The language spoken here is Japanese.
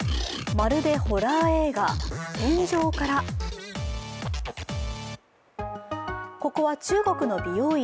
まるでホラー映画、天井からここは、中国の美容院。